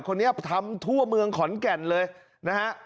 คนนี้ทำทั่วเมืองขอนแก่นเลยนะฮะ